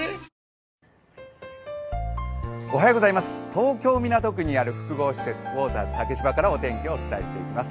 東京港区にある複合施設、ウォーターズ竹芝からお天気をお伝えします。